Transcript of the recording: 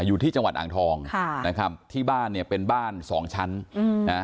อยู่ที่จังหวัดอ่างทองค่ะนะครับที่บ้านเนี่ยเป็นบ้านสองชั้นอืมนะฮะ